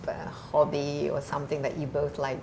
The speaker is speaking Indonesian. atau sesuatu yang kamu berdua suka lakukan